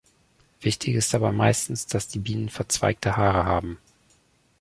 Wichtig ist dabei meistens, dass die Bienen verzweigte Haare haben.